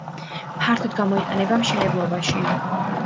ფართოდ გამოიყენება მშენებლობაში.